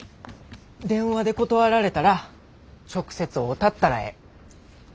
電話で断られたら直接会うたったらええ。